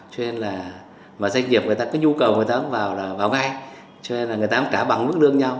cho nên dẫn đến cái việc là